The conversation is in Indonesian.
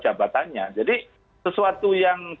jabatannya jadi sesuatu yang